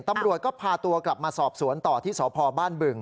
ตำรวจก็พาตัวกลับมาสอบสวนต่อที่สพบ้านบึง